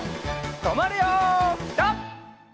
とまるよピタ！